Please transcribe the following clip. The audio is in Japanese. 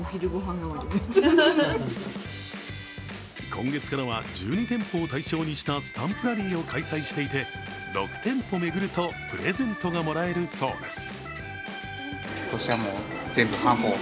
今月からは１２店舗を対象にしたスタンプラリーを開催していて、６店舗巡るとプレゼントがもらえるそうです。